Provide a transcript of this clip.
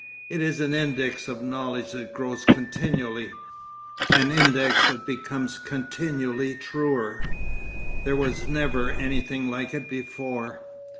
It is an index of knowledge that grows continually, an index that becomes continually truer. There was never anything like it before.